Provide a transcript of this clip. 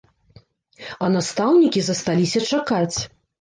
А настаўнікі засталіся чакаць.